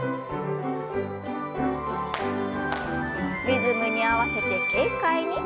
リズムに合わせて軽快に。